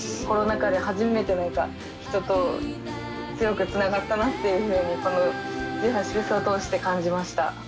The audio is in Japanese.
コロナ禍で初めて何か人と強くつながったなっていうふうにこの１８祭を通して感じました。